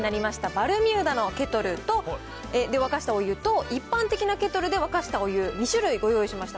バルミューダのケトルで沸かしたお湯と、一般的なケトルで沸かしたお湯、２種類ご用意しました。